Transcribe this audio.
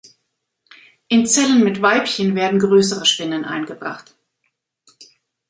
In Zellen mit Weibchen werden größere Spinnen eingebracht.